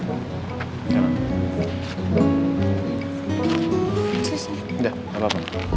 udah gak apa apa